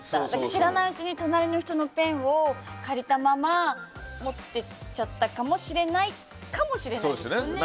知らないうちに隣の人のペンを借りたまま持って行っちゃったかもしれないかもしれないですよね。